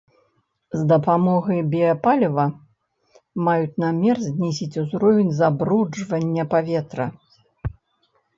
З дапамогай біяпаліва маюць намер знізіць узровень забруджвання паветра.